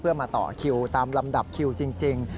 เพื่อมาต่อคิวตามลำดับคิวจริง